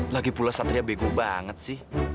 lagi pula satria bego banget sih